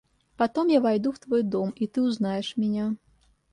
Потом я войду в твой дом и ты узнаешь меня.